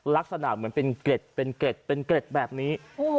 ลักษณะเหมือนเป็นเกร็ดเป็นเกร็ดเป็นเกร็ดแบบนี้